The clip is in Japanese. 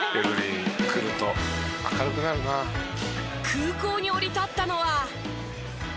空港に降り立ったのは。